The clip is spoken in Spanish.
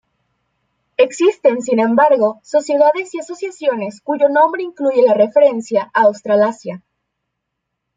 Existen sin embargo sociedades y asociaciones cuyo nombre incluye la referencia a Australasia.